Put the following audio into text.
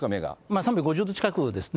３５０度近くですね。